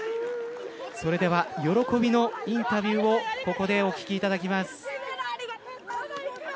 それでは喜びのインタビューをここでお聞きいただきます。